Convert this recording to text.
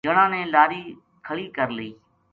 جنا نے لاری کھلی کر لئی